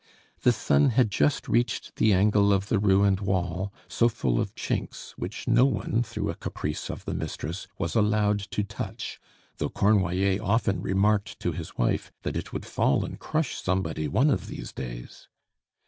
The sun had just reached the angle of the ruined wall, so full of chinks, which no one, through a caprice of the mistress, was allowed to touch, though Cornoiller often remarked to his wife that "it would fall and crush somebody one of these days."